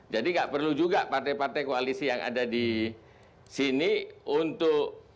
jadi nggak perlu juga partai partai koalisi yang ada di sini untuk